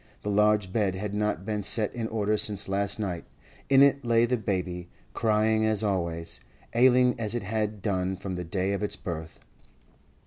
The large bed had not been set in order since last night; in it lay the baby, crying as always, ailing as it had done from the day of its birth.